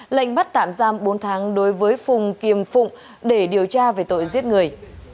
lệnh bắt tạm giam bốn tháng đối với phùng kiềm phụng để điều tra về tội giết người